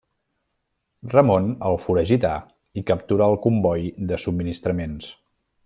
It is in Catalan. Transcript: Ramon el foragità i capturà el comboi de subministraments.